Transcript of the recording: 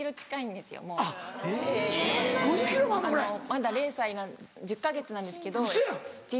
まだ０歳１０か月なんですけど。